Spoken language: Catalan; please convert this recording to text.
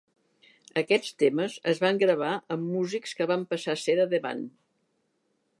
Aquests temes es van gravar amb músics que van passar a ser a The Band.